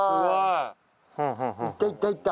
はい。